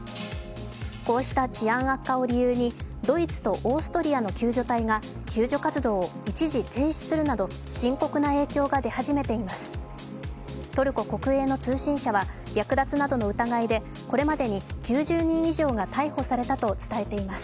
こうした治安悪化を理由にドイツとオーストリアの救助隊が救助活動を一時停止するなど、深刻な影響が出始めています。